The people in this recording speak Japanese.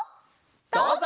どうぞ！